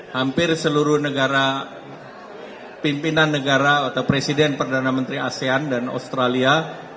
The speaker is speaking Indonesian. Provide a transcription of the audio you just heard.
hampir seluruh negara pimpinan negara atau presiden perdana menteri asean dan australia